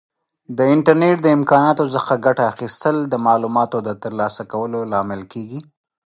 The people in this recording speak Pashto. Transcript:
د انټرنیټ د امکاناتو څخه ګټه اخیستل د معلوماتو د ترلاسه کولو لامل کیږي.